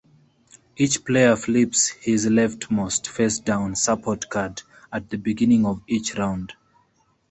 Each player flips his leftmost face-down support card at the beginning of each round.